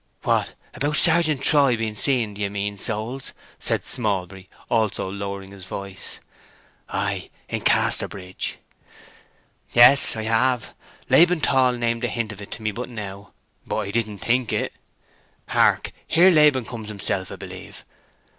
"What—that about Sergeant Troy being seen, d'ye mean, souls?" said Smallbury, also lowering his voice. "Ay: in Casterbridge." "Yes, I have. Laban Tall named a hint of it to me but now—but I don't think it. Hark, here Laban comes himself, 'a b'lieve."